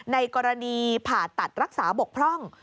ในกรณีผ่าตัดรักษาบกพร่อง